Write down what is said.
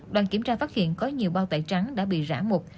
đoàn kiểm tra phát hiện có nhiều bao tải trắng đã bị rã mục